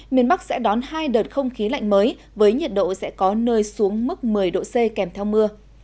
miền bắc sẽ đón hai đợt không khí lạnh mới với nhiệt độ sẽ có nơi xuống mức một mươi độ c kèm theo mưa